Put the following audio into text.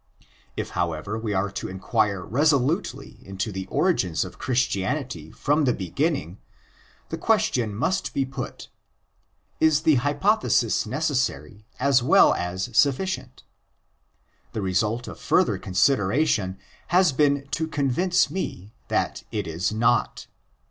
If, however, we are to inquire resolutely into the origins of Christianity from the beginning, the question must be put: Is the hypothesis necessary as well as PREFACE xili sufficient ? The result of further consideration has been to convince me that it is not.